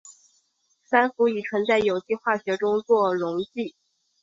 三氟乙醇在有机化学中用作溶剂。